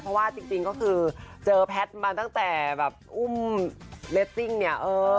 เพราะว่าจริงก็คือเจอแพทย์มาตั้งแต่แบบอุ้มเลสซิ่งเนี่ย